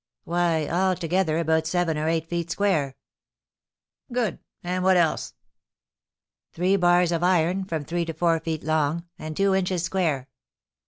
"Why, altogether about seven or eight feet square." "Good, and what else?" "Three bars of iron, from three to four feet long, and two inches square."